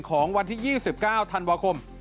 ของวันที่๒๙ธันวาคม